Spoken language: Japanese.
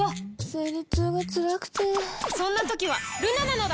生理痛がつらくてそんな時はルナなのだ！